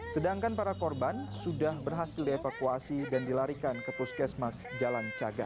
sedangkan para korban sudah berhasil dievakuasi dan dilarikan ke puskesmas jalan cagak